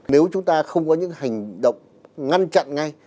nếu chúng ta không có những hành động ngăn chặn ngay